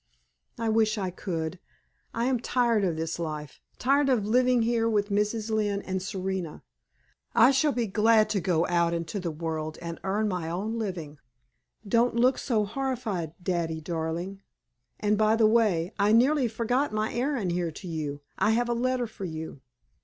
"I wish I could. I am tired of this life tired of living here with Mrs. Lynne and Serena. I shall be glad to go out into the world and earn my own living. Don't look so horrified, daddy, darling. And by the way, I nearly forgot my errand here to you. I have a letter for you."